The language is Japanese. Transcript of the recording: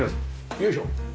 よいしょ。